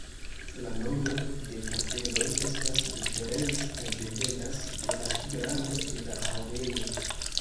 La nombro de kapeloj estas diferenca kaj dependas de la grando de la ĥorejo.